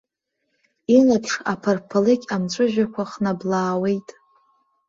Илаԥш аԥарԥалыкь амҵәыжәҩақәа хнаблаауеит!